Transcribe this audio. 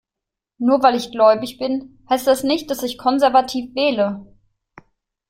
Nur weil ich gläubig bin, heißt das nicht, dass ich konservativ wähle.